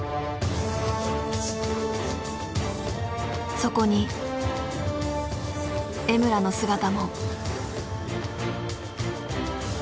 そこに江村の姿も。